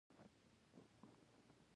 ورورولي څه حکم لري؟